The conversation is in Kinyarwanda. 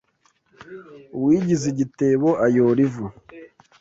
Uwigize igitebo ayora ivu